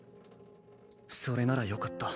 それならよかった。